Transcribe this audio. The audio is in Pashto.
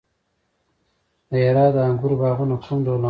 د هرات د انګورو باغونه کوم ډول انګور لري؟